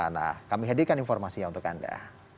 nah kami hadirkan informasinya untuk anda